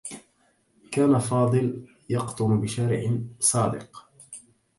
كان فاضل يقطن بـشارع صادق.